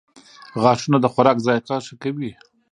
• غاښونه د خوراک ذایقه ښه کوي.